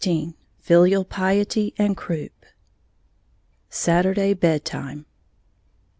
XVI FILIAL PIETY AND CROUP _Saturday Bed time.